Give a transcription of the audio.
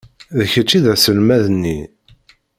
D kečč i d aselmad-nni.